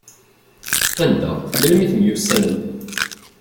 Anda, melmi temyussanem?